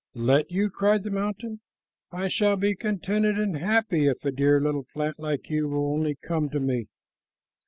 "Let you?" cried the mountain. "I shall be contented and happy if a dear little plant like you will only come to me."